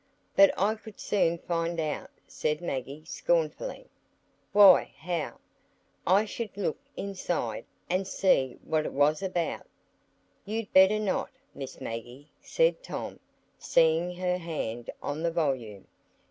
"But I could soon find out," said Maggie, scornfully. "Why, how?" "I should look inside, and see what it was about." "You'd better not, Miss Maggie," said Tom, seeing her hand on the volume.